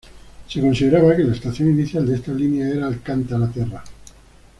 Se consideraba que la estación inicial de esta línea era Alcântara-Terra.